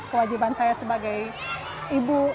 kewajiban saya sebagai ibu